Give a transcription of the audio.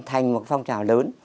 thành một phong trào lớn